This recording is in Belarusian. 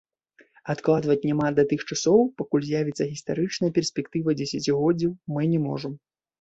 Адкладваць нам да тых часоў, пакуль з'явіцца гістарычная перспектыва дзесяцігоддзяў, мы не можам.